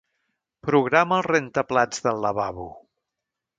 Programa el rentaplats del lavabo.